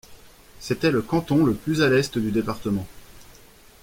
C'était le canton le plus à l'est du département.